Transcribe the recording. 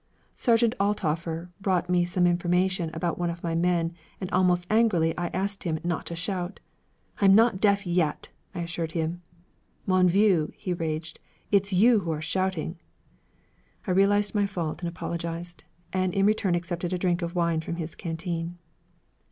Sergeant Altoffer brought me some information about one of my men, and almost angrily I asked him not to shout! 'I'm not deaf yet,' I assured him. 'Mon vieux,' he raged, 'it's you who are shouting!' I realized my fault and apologized, and in return accepted a drink of wine from his canteen.